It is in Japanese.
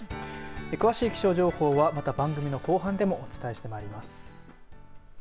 詳しい気象情報はまた番組の後半でもお伝えして参ります。